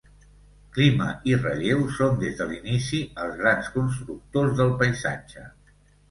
Clima i relleu són des de l'inici els grans constructors del paisatge.